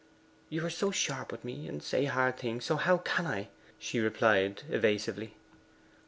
'You are so sharp with me, and say hard things, and so how can I?' she replied evasively.